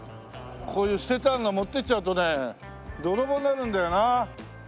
こういう捨ててあるの持っていっちゃうとね泥棒になるんだよな。